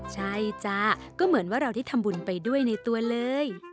ใช่จ้ะก็เหมือนว่าเราได้ทำบุญไปด้วยในตัวเลย